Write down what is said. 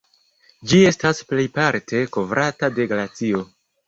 Ĝi estas plejparte kovrata de glacio.